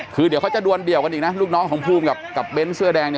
คือเดี๋ยวเขาจะดวนเดี่ยวกันอีกนะลูกน้องของภูมิกับเบ้นเสื้อแดงเนี่ย